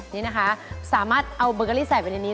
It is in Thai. นี่นะคะสามารถเอาเบอร์เกอรี่ใส่ไปในนี้